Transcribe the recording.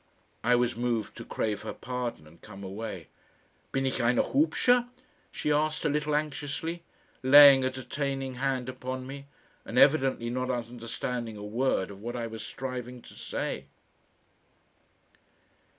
I was moved to crave her pardon and come away. "Bin ich eine hubsche?" she asked a little anxiously, laying a detaining hand upon me, and evidently not understanding a word of what I was striving to say.